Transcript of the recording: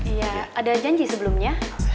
iya ada janji sebelumnya